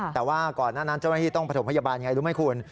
แต่ว่าก่อนหน้านั้นเจ้าหน้าที่ต้องประถมพยาบาลอย่างไรรู้ไหมคุณ